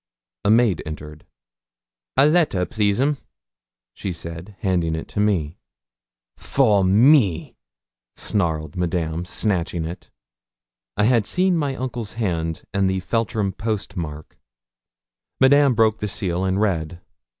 A maid entered. 'A letter, please, 'm,' she said, handing it to me. 'For me,' snarled Madame, snatching it. I had seen my uncle's hand, and the Feltram post mark. Madame broke the seal, and read.